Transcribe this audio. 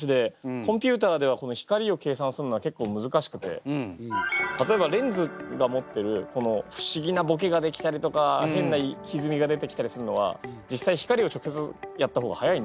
コンピューターでは光を計算するのは結構むずかしくて例えばレンズが持ってる不思議なボケができたりとか変なひずみが出てきたりすんのは実際光を直接やった方がはやいんですよ。